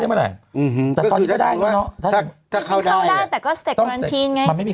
เข้าได้แต่ก็สเต็กกวารันทีนไง๑๔วัน